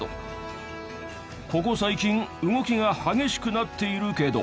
ここ最近動きが激しくなっているけど。